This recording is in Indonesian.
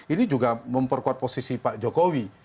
ini juga memperkuat posisi pak jokowi